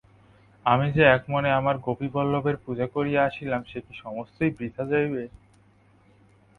আমি যে একমনে আমার গোপীবল্লভের পূজা করিয়া আসিলাম সে কি সমস্তই বৃথা যাইবে!